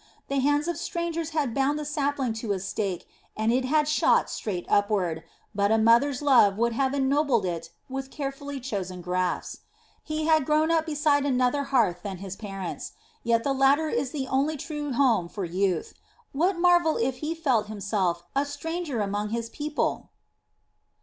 The hands of strangers had bound the sapling to a stake and it had shot straight upward, but a mother's love would have ennobled it with carefully chosen grafts. He had grown up beside another hearth than his parents', yet the latter is the only true home for youth. What marvel if he felt himself a stranger among his people.